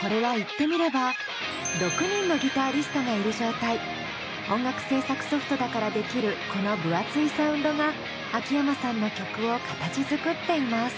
これは言ってみれば音楽制作ソフトだからできるこの分厚いサウンドが秋山さんの曲を形づくっています。